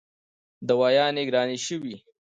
دوايانې ګرانې شوې